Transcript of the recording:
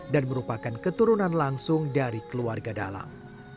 dan merupakan keturunan langsung dari keluarga dalang